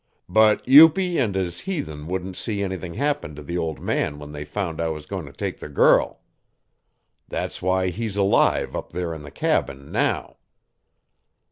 But Upi and his heathen wouldn't see anything happen to the old man when they found I was going to take the girl. That's why he's alive up there in the cabin now.